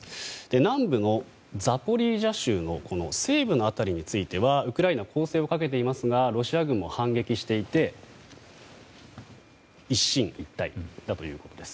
南部ザポリージャ州の西部の辺りについてはウクライナ攻勢をかけていますがロシア軍も反撃していて一進一退だということです。